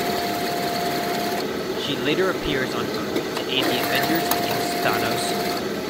She later appears on Earth to aid the Avengers against Thanos.